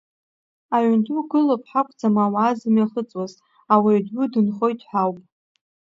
Аҩын ду гылоуп ҳәа акәӡам ауаа зымҩахыҵуаз, ауаҩ ду дынхоит ҳәа ауп.